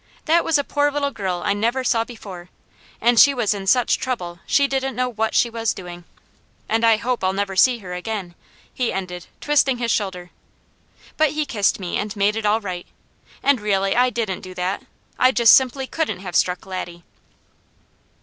That was a poor little girl I never saw before, and she was in such trouble she didn't know WHAT she was doing. And I hope I'll never see her again," he ended, twisting his shoulder. But he kissed me and made it all right, and really I didn't do that; I just simply couldn't have struck Laddie.